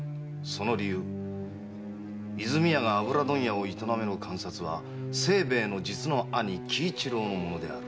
「その理由和泉屋が油問屋を営める鑑札は清兵衛の実の兄・喜一郎のものである。